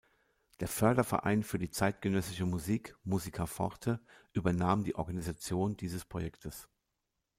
Der Förderverein für zeitgenössische Musik "Musica forte" übernahm die Organisation dieses Projektes.